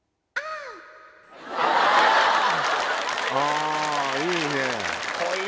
あいいね！